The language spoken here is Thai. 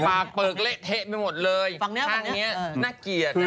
ปากเปลือกเละเทะไปหมดเลย